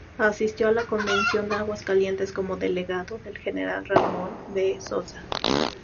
Asistió a la Convención de Aguascalientes como delegado del general Ramón V. Sosa.